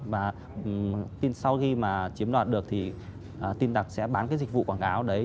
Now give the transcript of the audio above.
và sau khi mà chiếm đoạt được thì tin đặt sẽ bán cái dịch vụ quảng cáo đấy